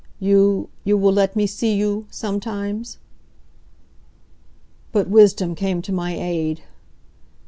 "You you will let me see you sometimes?" But wisdom came to my aid.